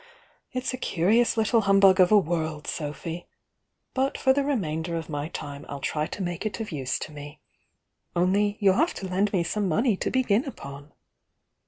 It's a curious little humbug of a world, Sophy! — but for the remainder of my time I'll try to make it of use to me. Only you'll have to lend me some money to begin upon!"